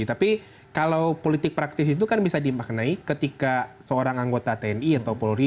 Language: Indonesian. tapi kalau politik praktis itu kan bisa dimaknai ketika seorang anggota tni atau polri